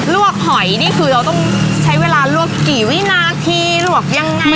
วกหอยนี่คือเราต้องใช้เวลาลวกกี่วินาทีลวกยังไง